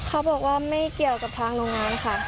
เขาบอกว่าไม่เกี่ยวกับทางโรงงานค่ะ